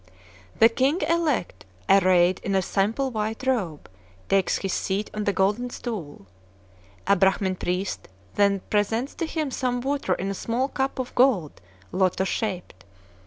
The king elect, arrayed in a simple white robe, takes his seat on the golden stool. A Brahmin priest then presents to him some water in a small cup of gold, lotos shaped.